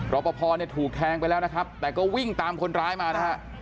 รอปภเนี่ยถูกแทงไปแล้วนะครับแต่ก็วิ่งตามคนร้ายมานะฮะ